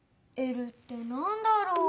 「Ｌ」ってなんだろう？